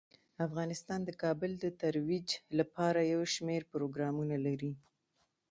افغانستان د کابل د ترویج لپاره یو شمیر پروګرامونه لري.